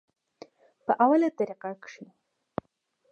پۀ اوله طريقه کښې